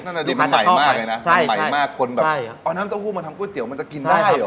นั่นก็ดีมากไหนนะดีมากคนแบบเออน้ำเต้าหู้มาทำก๋วยเตี๋ยวมันจะกินได้หรอ